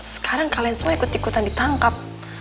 sekarang kalian semua ikut ikutan ditangkap